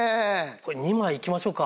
これ２枚いきましょうか。